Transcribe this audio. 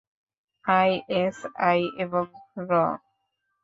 ISI এবং র।